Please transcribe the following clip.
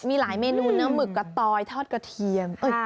มีหลายเมนูเนื้อหมึกกะตอยทอดกระเทียม